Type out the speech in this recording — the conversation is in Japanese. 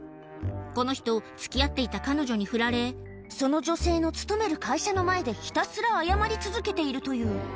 この人、つきあっていた彼女に振られ、その女性の勤める会社の前でひたすら謝り続けているという。